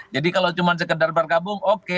jadi kalau cuma sekedar bergabung oke